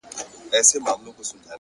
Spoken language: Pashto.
• ښاماران مي تېروله ,